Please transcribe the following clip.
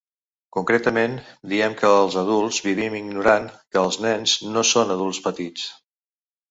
Concretament, diem que els adults vivim ignorant que els nens no són adults petits.